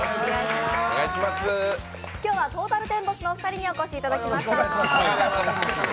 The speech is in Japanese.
今日は、トータルテンボスのお二人にお越しいただきました。